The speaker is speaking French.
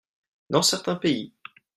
Dans certains pays.